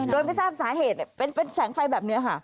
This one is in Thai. โดยไม่ทราบสาเหตุเป็นแสงไฟแบบนี้ค่ะ